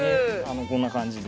こんな感じで。